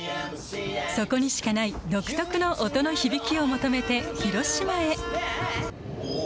そこにしかない独特の音の響きを求めて広島へ。